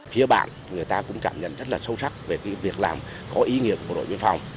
phía bạn người ta cũng cảm nhận rất là sâu sắc về việc làm có ý nghĩa của bộ đội biên phòng